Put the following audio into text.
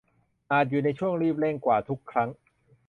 อาจอยู่ในช่วงรีบเร่งกว่าทุกครั้ง